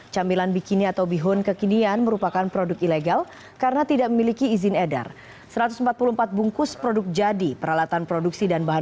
camilan bikini atau bihun kekinian merupakan produk ilegal karena tidak memiliki istimewa